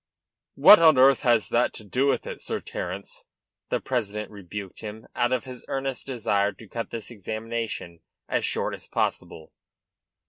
"What on earth has that to do with it, Sir Terence?" the president rebuked him, out of his earnest desire to cut this examination as short as possible.